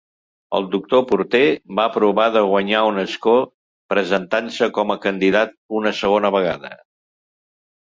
El doctor Porter va provar de guanyar un escó presentant-se com a candidat una segona vegada.